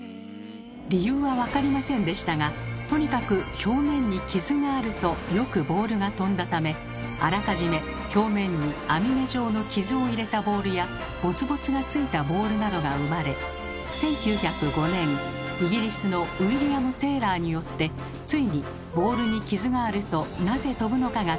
理由は分かりませんでしたがとにかく表面に傷があるとよくボールが飛んだためあらかじめ表面に網目状の傷を入れたボールやボツボツがついたボールなどが生まれ１９０５年イギリスのウィリアム・テーラーによってついにボールに傷があるとなぜ飛ぶのかが解明されました。